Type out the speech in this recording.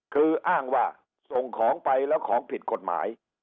คืออ้างว่าส่งของไปแล้วของผิดกฎหมาย